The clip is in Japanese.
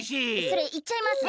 それいっちゃいます！？